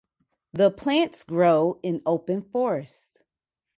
The plants grow in open forests.